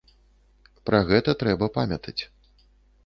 Пра гэта трэба памятаць.